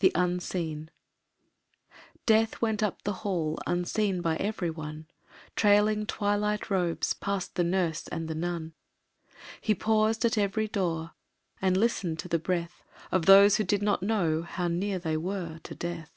The Unseen Death went up the hall Unseen by every one, Trailing twilight robes Past the nurse and the nun. He paused at every door And listened to the breath Of those who did not know How near they were to Death.